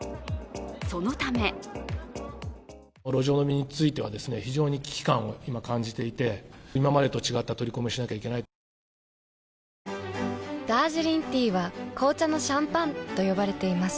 そのためダージリンティーは紅茶のシャンパンと呼ばれています。